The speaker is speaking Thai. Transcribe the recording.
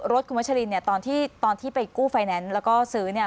รถคุณวัชลินเนี่ยตอนที่ไปกู้ไฟแนนซ์แล้วก็ซื้อเนี่ย